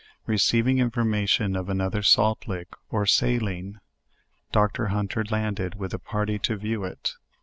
Receiving information of another salt lick, or saline, doctor Hunter landed, with a party, to view it.